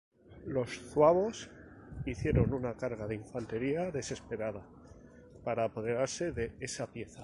Los zuavos hicieron una carga de infantería desesperada para apoderarse de esa pieza.